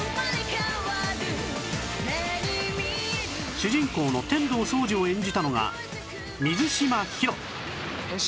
主人公の天道総司を演じたのが水嶋ヒロ変身！